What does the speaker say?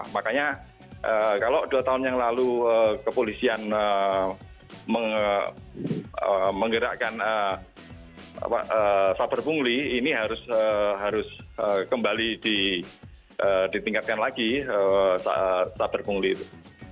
makanya kalau dua tahun yang lalu kepolisian menggerakkan saber pungli ini harus kembali ditingkatkan lagi saber pungli itu